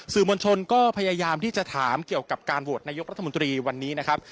สื่อมวลชนก็พยายามที่จะถามเกี่ยวกับการโหวตนายกรัฐมนตรีวันนี้นะครับ